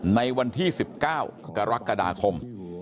ในวันที่สิบเก้ากรกฎาคม